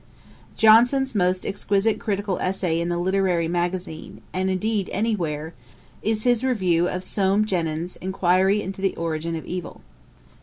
Johnson's most exquisite critical essay in the Literary Magazine, and indeed any where, is his review of Soame Jenyns's Inquiry into the Origin of Evil.